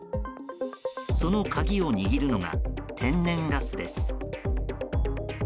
その鍵を握るのが天然ガスです。